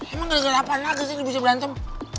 emang gak ada gerapan lagi sih bisa berantem